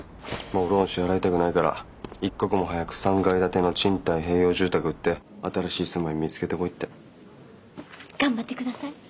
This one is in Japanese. もうローン支払いたくないから一刻も早く３階建ての賃貸併用住宅売って新しい住まい見つけてこいって。頑張ってください。